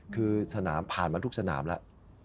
คือสนามผ่านมาทุกสนามแล้ว